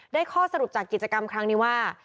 ข้อสรุปจากกิจกรรมครั้งนี้ว่า